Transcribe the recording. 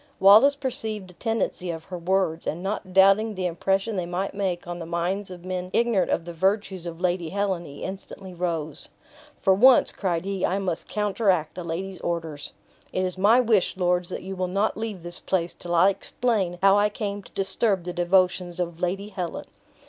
Wallace perceived the tendency of her words, and not doubting the impression they might make on the minds of men ignorant of the virtues of Lady Helen, he instantly rose. "For once," cried he, "I must counteract a lady's orders. It is my wish, lords, that you will not leave this place till I explain how I came to disturb the devotions of Lady Helen.